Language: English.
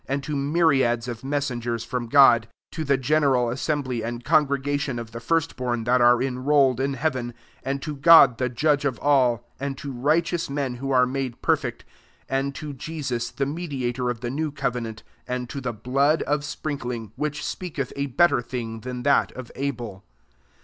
ind to myriads of messengers ^rom Gody 23 to the general issembly and congregation of he first bom that are enrolled n heaven^ and to God the judge >f all, and to righteous men vho are made perfect, 24 and o Jesus the mediator of the lew covenant^ and to the blood »f sprinkling, which speaketh \ better thing than that o/" Abel.